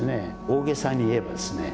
大げさに言えばですね